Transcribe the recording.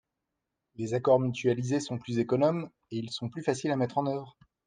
Les accords mutualisés sont plus économes et ils sont plus faciles à mettre en œuvre.